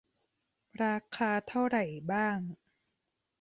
ราคาเท่าไหร่บ้าง